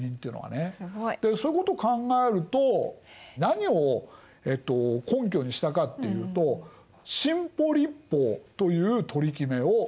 すごい！でそういうことを考えると何を根拠にしたかっていうと新補率法という取り決めを使いました。